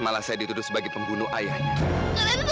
malah saya dituduh sebagai pembunuh ayahnya